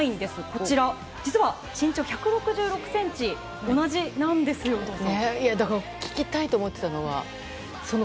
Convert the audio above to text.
こちら、実は、身長１６６センチ、同じなんですよね。